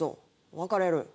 別れる？